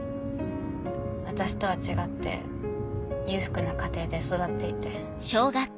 私とは違って裕福な家庭で育っていて。